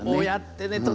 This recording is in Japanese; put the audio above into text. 親ってね